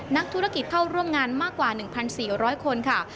นักธุรกิจเข้าร่วมงานมากกว่า๑๔๐๐คนค่ะ